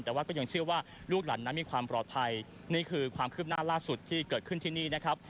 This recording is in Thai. แต่ว่าก็ยังเชื่อว่าลูกหลานนั้นมีความปลอดภัยนี่คือความคืบหน้าล่าสุดที่เกิดขึ้นที่นี่นะครับ